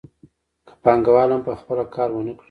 که پانګوال هم په خپله کار ونه کړي